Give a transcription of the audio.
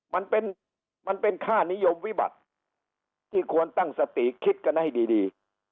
มันเป็นมันเป็นค่านิยมวิบัติที่ควรตั้งสติคิดกันให้ดี